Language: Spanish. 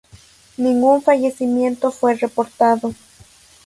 Ningún fallecimiento fue reportado.